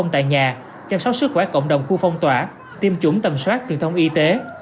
tại nhà chăm sóc sức khỏe cộng đồng khu phong tỏa tiêm chủng tầm soát truyền thông y tế